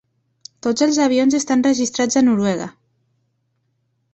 Tots els avions estan registrats a Noruega.